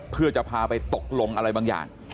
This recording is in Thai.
เพื่อจะพาไปตกลงอะไรบางอย่าง